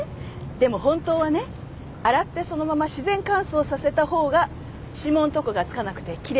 でも本当はね洗ってそのまま自然乾燥させた方が指紋とかが付かなくて奇麗なの。